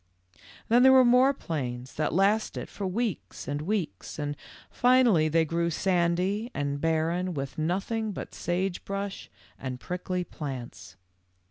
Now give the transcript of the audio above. "Then there were more plains that lasted for weeks and weeks, and finally they grew sandy and barren with nothing but sage brush and prickly plants.